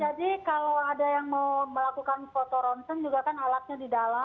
kalau ada yang mau melakukan foto ronsen juga kan alatnya di dalam